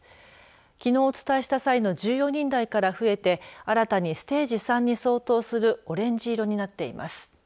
きのうお伝えした際の１４人台から増えて新たにステージ３に相当するオレンジ色になっています。